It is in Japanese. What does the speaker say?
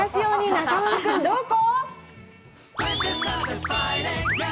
中丸君、どこ？